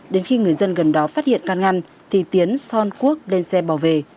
đến khi người dân gần đó phát hiện căn ngăn thì tiến son quốc lên xe bảo vệ